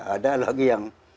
ada lagi yang